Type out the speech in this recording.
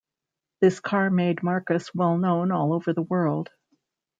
This car made Marcus well-known all over the world.